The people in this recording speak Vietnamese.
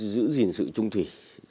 giữ gìn sự trung thủy